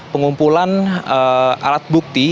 pengumpulan alat buku